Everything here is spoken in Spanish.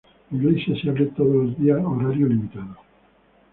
La iglesia se abre todos los días horario limitado.